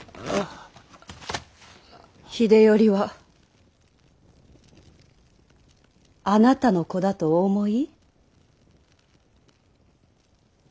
秀頼はあなたの子だとお思い？